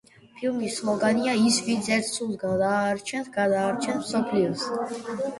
ფილმის სლოგანია: „ის ვინც ერთ სულს გადაარჩენს, გადაარჩენს მსოფლიოს“.